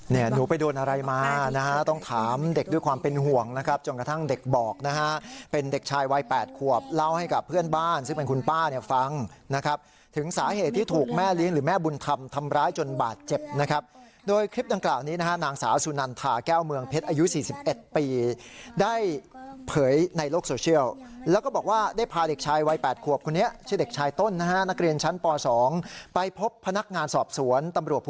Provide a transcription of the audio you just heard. เนี่ยหนูไปโดนอะไรมานะฮะต้องถามเด็กด้วยความเป็นห่วงนะครับจนกระทั่งเด็กบอกนะฮะเป็นเด็กชายวายแปดขวบเล่าให้กับเพื่อนบ้านซึ่งเป็นคุณป้าเนี่ยฟังนะครับถึงสาเหตุที่ถูกแม่ลิงหรือแม่บุญทำทำร้ายจนบาดเจ็บนะครับโดยคลิปดังกล่าวนี้นะฮะนางสาวสุนันทาแก้วเมืองเพชรอายุ๔๑ปีได้เผยในโลกโซเ